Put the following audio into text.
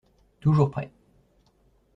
Toujours prêt